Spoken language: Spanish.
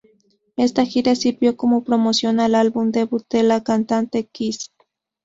Esta gira sirvió como promoción al álbum debut de la Cantante Kiss.